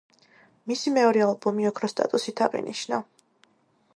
მისი მეორე ალბომი ოქროს სტატუსით აღინიშნა.